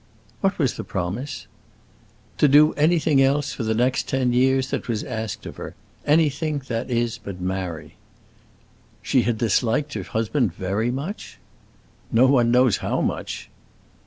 "What was the promise?" "To do anything else, for the next ten years, that was asked of her—anything, that is, but marry." "She had disliked her husband very much?" "No one knows how much!"